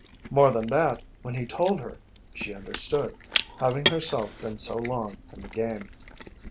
More than that, when he told her she understood, having herself been so long in the game.